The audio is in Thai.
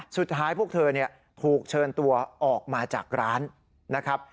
สุดท้ายพวกเธอถูกเชิญตัวออกมาจากร้านนะครับ